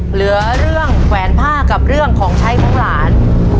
เหลือเรื่องแขวนผ้ากับเรื่องของใช้ของหลาน